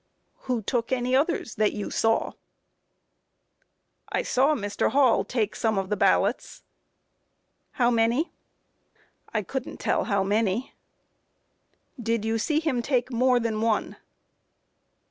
Q. Who took any others that you saw? A. I saw Mr. Hall take some of the ballots. Q. How many? A. I couldn't tell how many. Q. Did you see him take more than one?